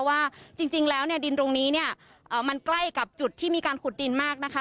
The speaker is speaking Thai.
ว่าจริงแล้วเนี่ยดินตรงนี้เนี่ยมันใกล้กับจุดที่มีการขุดดินมากนะคะ